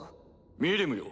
ミリムよ。